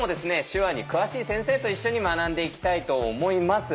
手話に詳しい先生と一緒に学んでいきたいと思います。